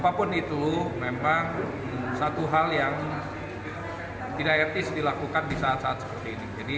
apapun itu memang satu hal yang tidak etis dilakukan di saat saat seperti ini